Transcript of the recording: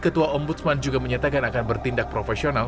ketua ong budsman juga menyatakan akan bertindak profesional